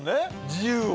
自由を。